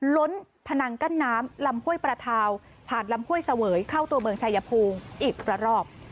ล้นพนังกั้นน้ำลำห้วยประทาวผ่านลำห้วยเสวยเข้าตัวเมืองชายภูมิอีกระรอบ